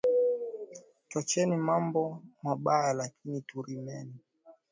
Twacheni mambo mubaya lakini turimeni